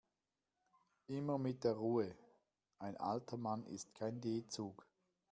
Immer mit der Ruhe, ein alter Mann ist kein D-Zug.